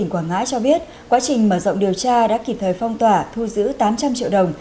quảng ngãi cho biết quá trình mở rộng điều tra đã kịp thời phong tỏa thu giữ tám trăm linh triệu đồng